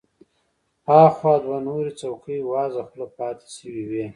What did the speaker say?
اخوا دوه نورې څوکۍ وازه خوله پاتې شوې وې.